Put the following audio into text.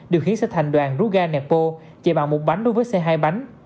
điều khiến xe thành đoàn ruga nepo chạy bằng một bánh đối với xe hai bánh